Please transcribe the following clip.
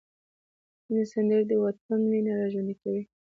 ځینې سندرې د وطن مینه راژوندۍ کوي.